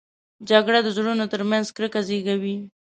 جګړه د زړونو تر منځ کرکه زېږوي